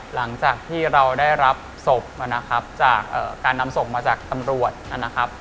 หลังจากที่เราได้รับศพจากการนำศพมาจากตำรวจ